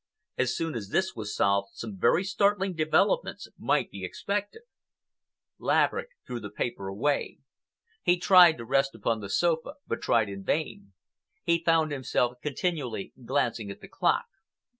As soon as this was solved, some very startling developments might be expected. Laverick threw the paper away. He tried to rest upon the sofa, but tried in vain. He found himself continually glancing at the clock.